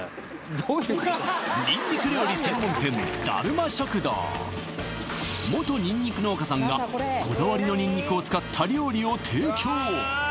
ここです元ニンニク農家さんがこだわりのニンニクを使った料理を提供